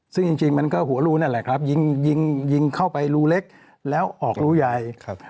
ซึ่งจริงมันก็หัวรูนั่นแหละครับยิงยิงเข้าไปรูเล็กแล้วออกรูใหญ่ครับ